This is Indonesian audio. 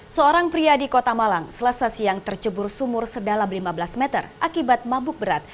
seorang pria di kota malang selasa siang tercebur sumur sedalam lima belas meter akibat mabuk berat